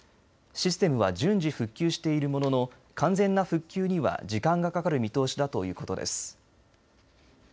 システムは順次復旧しているものの完全な復旧には時間がかかる見通しだということです。